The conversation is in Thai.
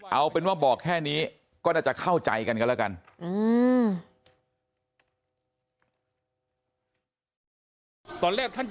เอาเป็นว่าบอกแค่นี้ก็น่าจะเข้าใจกันกันแล้วกัน